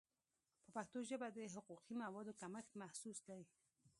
په پښتو ژبه د حقوقي موادو کمښت محسوس دی.